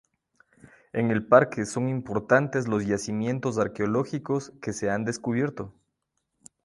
En el parque son importantes los yacimientos arqueológicos que se han descubierto.